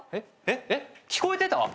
えっ聞こえてた？